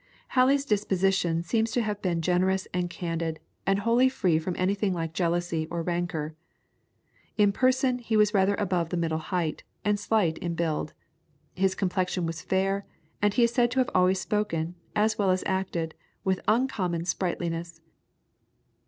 Halley's disposition seems to have been generous and candid, and wholly free from anything like jealousy or rancour. In person he was rather above the middle height, and slight in build; his complexion was fair, and he is said to have always spoken, as well as acted, with uncommon sprightliness.